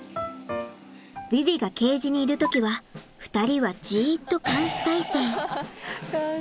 ヴィヴィがケージにいる時は２人はじっと監視体制。